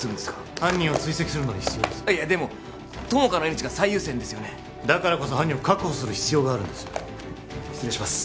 犯人を追跡するのに必要ですでも友果の命が最優先ですよねだからこそ犯人を確保する必要があるんです失礼します